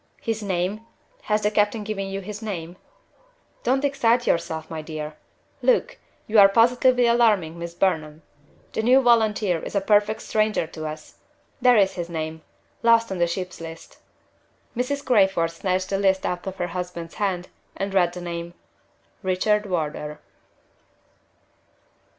"His name? has the captain given you his name?" "Don't excite yourself, my dear. Look! you are positively alarming Miss Burnham. The new volunteer is a perfect stranger to us. There is his name last on the ship's list." Mrs. Crayford snatched the list out of her husband's hand, and read the name: "RICHARD WARDOUR."